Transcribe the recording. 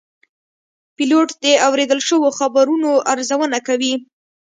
پیلوټ د اورېدل شوو خبرونو ارزونه کوي.